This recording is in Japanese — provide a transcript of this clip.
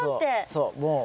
そう。